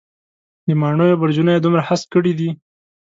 د ماڼېیو برجونه یې دومره هسک کړي دی.